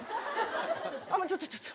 あっちょっとちょっと。